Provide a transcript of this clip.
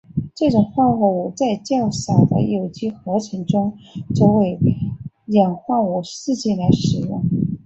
这种化合物在较少的有机合成中作为氧化性试剂来使用。